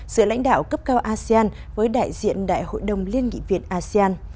giữa lãnh đạo cấp cao asean với đại diện đại hội đồng liên nghị viện asean